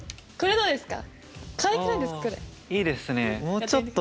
どうですか？